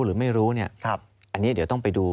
หรือไม่รู้เนี่ยอันนี้เดี๋ยวต้องไปดู